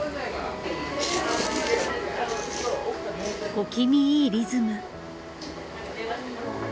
小気味いいリズム。